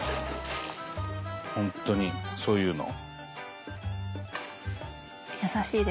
本当にそういうの。